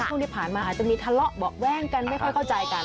ช่วงที่ผ่านมาอาจจะมีทะเลาะเบาะแว้งกันไม่ค่อยเข้าใจกัน